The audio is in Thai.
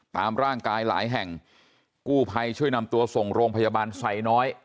ตามร่างกายหลายแห่งกู้ภัยช่วยนำตัวส่งโรงพยาบาลไซน้อย